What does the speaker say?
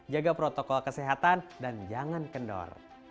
jaga protokol kesehatan dan jangan kendor